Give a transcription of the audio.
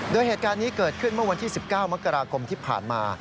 โดยเหตุการณ์นี้เกิดขึ้นเมื่อวันที่๑๙มกราคมที่ผ่านมา